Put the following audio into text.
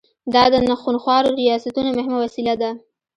دا د خونخوارو ریاستونو مهمه وسیله ده.